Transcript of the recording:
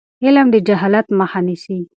علم د جهالت مخه نیسي.